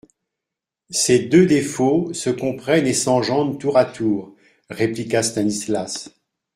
Ces deux défauts se comprennent et s'engendrent tour à tour, répliqua Stanislas.